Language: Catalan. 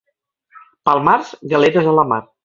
Pel març, galeres a la mar.